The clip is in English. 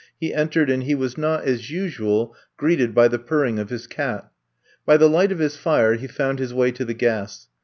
He entered and he was not, as usual, greeted by the purring of his cat. By the light of his fire he found his way to the gas.